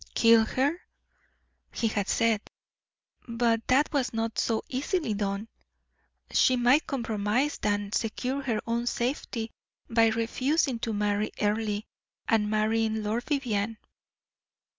"Kill her," he had said; but that was not so easily done. She might compromise and secure her own safety by refusing to marry Earle, and marrying Lord Vivianne.